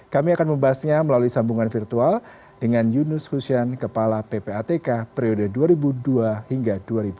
kami akan membahasnya melalui sambungan virtual dengan yunus fusian kepala ppatk periode dua ribu dua hingga dua ribu dua puluh